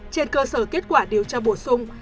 trên cơ sở kết quả điều tra bổ sung